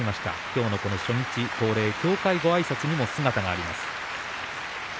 今日の初日協会ごあいさつにも姿があります。